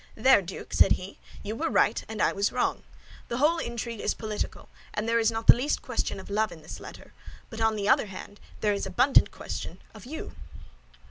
"There, Duke," said he, "you were right and I was wrong. The whole intrigue is political, and there is not the least question of love in this letter; but, on the other hand, there is abundant question of you."